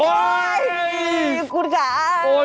โอ๊ยคุณค่ะโอ๊ย